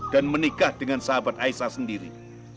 dan menikah dengan sahabat aisyah sendiri